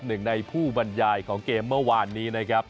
หนึ่งในผู้บรรยายของเกมเมื่อวานนี้นะครับ